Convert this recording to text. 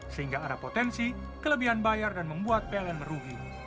sehingga ada potensi kelebihan bayar dan membuat pln merugi